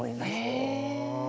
へえ。